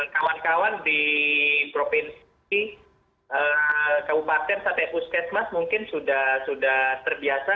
kawan kawan di provinsi kabupaten satepustesmas mungkin sudah terbiasa